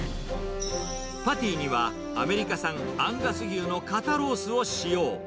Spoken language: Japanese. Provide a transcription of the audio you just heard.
パティにはアメリカ産アンガス牛の肩ロースを使用。